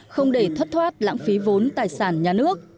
không để thất thoát lãng phí vốn tài sản nhà nước